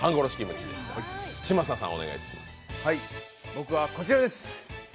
僕は、こちらです。